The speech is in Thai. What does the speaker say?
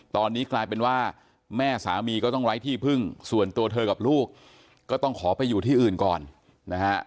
ตอนนี้กลายเป็นว่าแม่สามีก็ต้องไร้ที่พึ่งส่วนตัวเธอกับลูกก็ต้องขอไปอยู่ที่อื่นก่อนนะฮะ